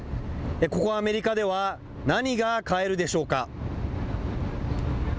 ここ、アメリカでは、何が買えるでしょうか。